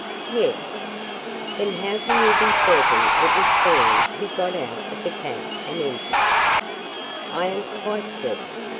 "Yes." "Then how can you be certain it was Thorn who got out of the cab and entered?" "I am quite certain.